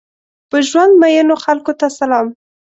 په ژوند مئینو خلکو ته سلام!